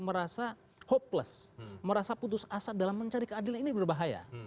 merasa hopeless merasa putus asa dalam mencari keadilan ini berbahaya